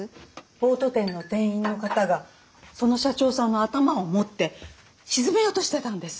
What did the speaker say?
ボート店の店員の方がその社長さんの頭を持って沈めようとしてたんです。